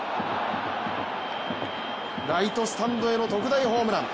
ライトスタンドへの特大ホームラン。